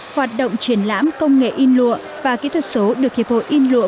hoạt động triển lãm công nghệ in lụa và kỹ thuật số được hiệp hội in lụa